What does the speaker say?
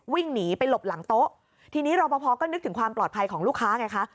วิ่งหนีไปหลบหลังโต๊ะทีนี้รอปภก็นึกถึงความปลอดภัยของลูกค้าไงคะ